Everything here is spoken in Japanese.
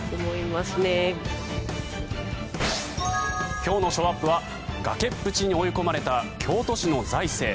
今日のショーアップは崖っぷちに追い込まれた京都市の財政。